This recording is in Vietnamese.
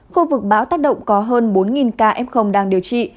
khu vực bão tác động có hơn bốn ca f đang điều trị